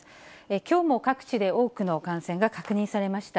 きょうも各地で多くの感染が確認されました。